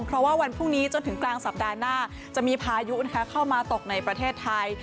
เพราะว่าวันพรุ่งนี้จนถึงกลางสัปดาห์หน้าจะมีพายุเข้ามาตกในประเทศไทย